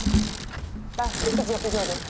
以上以上です。